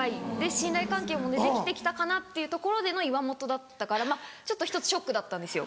信頼関係もできて来たかなっていうところでの岩本だったからちょっと１つショックだったんですよ。